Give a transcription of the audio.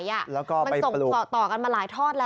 มันส่งต่อกันมาหลายทอดแล้ว